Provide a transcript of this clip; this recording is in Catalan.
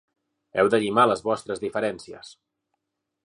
Heu de llimar les vostres diferències.